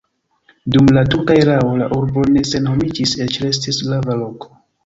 Dum la turka erao la urbo ne senhomiĝis, eĉ restis grava loko.